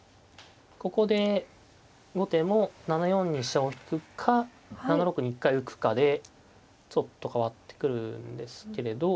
ここで後手も７四に飛車を引くか７六に一回浮くかでちょっと変わってくるんですけれど